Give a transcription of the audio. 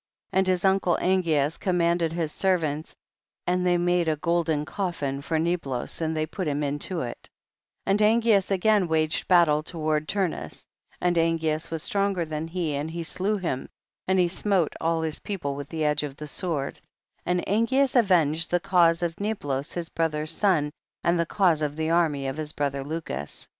22. And his uncle Angeas com manded his servants and they made a golden coffin for Niblos and they put him into it, and Angeas again waged battle toward Turnus, and Angeas was stronger than he, and he slew him, and he smote all his people with the edge of the sword, and An geas avenged the cause of Niblos his brother's son and the cause of the army of his brother Lucus.